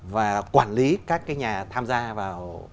và quản lý các cái nhà tham gia vào